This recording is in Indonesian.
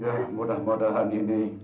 ya mudah mudahan ini